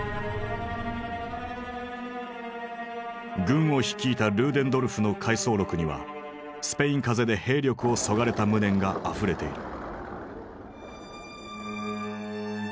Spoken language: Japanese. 軍を率いたルーデンドルフの回想録にはスペイン風邪で兵力をそがれた無念があふれている。